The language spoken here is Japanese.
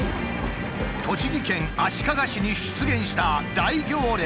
栃木県足利市に出現した大行列。